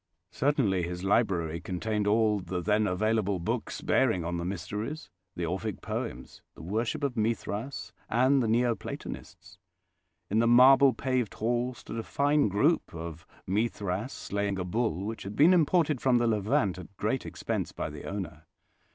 Certainly his library contained all the then available books bearing on the Mysteries, the Orphic poems, the worship of Mithras, and the Neo Platonists. In the marble paved hall stood a fine group of Mithras slaying a bull, which had been imported from the Levant at great expense by the owner.